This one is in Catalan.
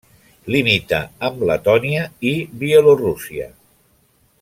Limita amb Letònia i Bielorússia.